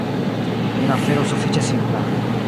Jen afero sufiĉe simpla.